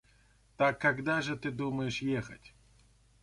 Так когда же ты думаешь ехать?